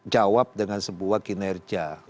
jawab dengan sebuah kinerja